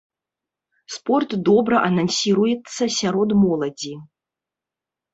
Спорт добра анансіруецца сярод моладзі.